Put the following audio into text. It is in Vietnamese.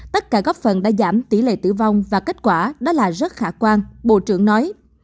tất cả góp phần đã giảm tỷ lệ tử vong và kết quả đó là rất khả quan bộ trưởng nói